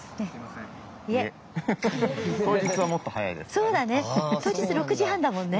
そうだね。